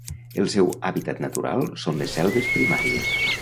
El seu hàbitat natural són les selves primàries.